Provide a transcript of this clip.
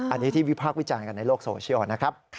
อันนี้ที่วิพากษ์วิจารณ์กันในโลกโซเชียลนะครับ